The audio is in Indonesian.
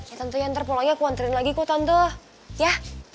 ya tante ya ntar polanya aku anterin lagi kok tante ya